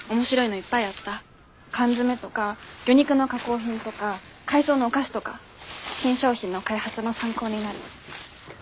缶詰とか魚肉の加工品とか海草のお菓子とか新商品の開発の参考になる。